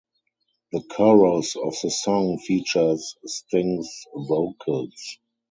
The chorus of the song features Sting's vocals.